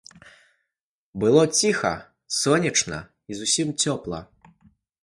Было ціха, сонечна і зусім цёпла.